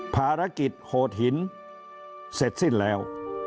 ภารกิจโหดหินเสร็จสิ้นแล้ว